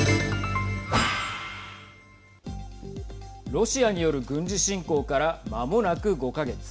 ロシアによる軍事侵攻からまもなく５か月。